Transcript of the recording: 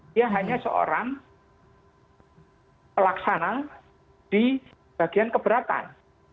dia hanya seorang pelaksana di bagian keberatan